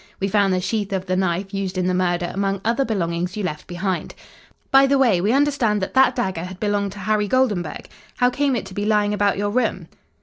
We found the sheath of the knife used in the murder among other belongings you left behind. By the way, we understand that that dagger had belonged to Harry Goldenburg how came it to be lying about your room?"